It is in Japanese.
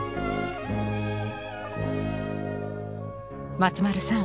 松丸さん